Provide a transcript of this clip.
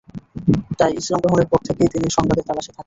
তাই ইসলাম গ্রহণের পর থেকেই তিনি সংবাদের তালাশে থাকতেন।